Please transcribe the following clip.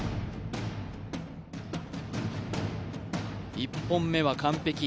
１本目は完璧。